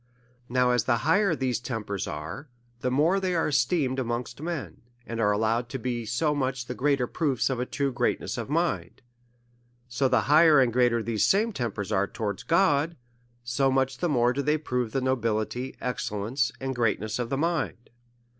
Now, as the higher these tempers are, the more are they esteemed amongst men, and are allow ed to be so much the greater proofs of a true great ness of mind ; so the higher and greater these tempers are towards God, so much tiic more do they prove the. nobility, excellence, and greatness of the mind.